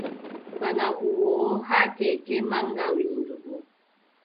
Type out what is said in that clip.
Bana huwoowo haa keeke maŋga winndugo.